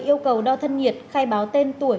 yêu cầu đo thân nhiệt khai báo tên tuổi